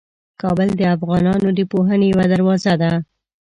کابل د افغانانو د پوهنې یوه دروازه ده.